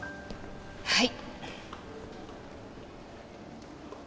はい。